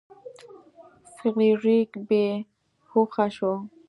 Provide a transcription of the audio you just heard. فلیریک بې هوښه شو.